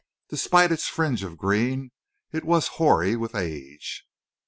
Despite its fringe of green it was hoary with age.